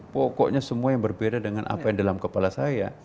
pokoknya semua yang berbeda dengan apa yang dalam kepala saya